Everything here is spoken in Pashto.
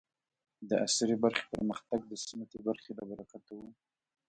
د عصري برخې پرمختګ د سنتي برخې له برکته و.